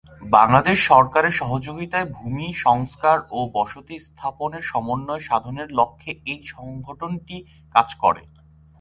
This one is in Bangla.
বাংলাদেশ সরকারের সহযোগিতায় ভূমি সংস্কার ও বসতি স্থাপনের সমন্বয় সাধনের লক্ষ্যে এই সংগঠনটি কাজ করে।